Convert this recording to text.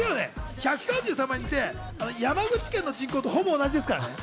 １３３万人って山口県の人口とほぼ同じですからね。